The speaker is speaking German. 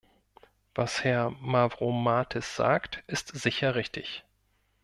Was Herr Mavrommatis sagt, ist sicher richtig.